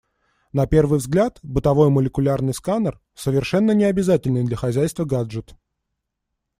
На первый взгляд, бытовой молекулярный сканер — совершенно не обязательный для хозяйства гаджет.